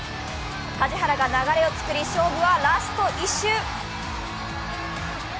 梶原が流れを作り、勝負はラスト１周。